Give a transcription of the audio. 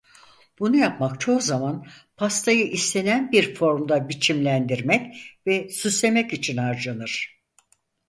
Bunu yapmak çoğu zaman pastayı istenen bir formda biçimlendirmek ve süslemek için harcanır.